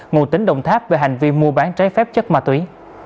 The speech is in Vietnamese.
ngụ tính đồng tháp về hành vi mua bán trái phép chất ma túy